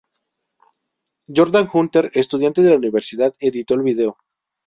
Jordan Hunter, estudiante de la universidad, editó el vídeo.